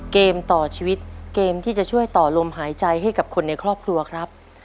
เกมต่อชีวิตเกมที่จะช่วยต่อลมหายใจให้กับคนในครอบครัวครับ